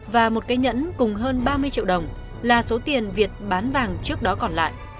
và một cái nhẫn cùng hơn ba mươi triệu đồng là số tiền việt bán vàng trước đó còn lại